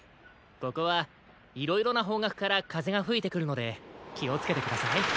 ここはいろいろなほうがくからかぜがふいてくるのできをつけてください。